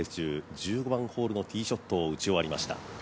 １５番ホールのティーショットを打ち終わりました。